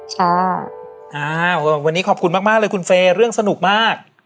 ค่ะอ้าววันนี้ขอบคุณมากเลยคุณเฟย์เรื่องสนุกมาก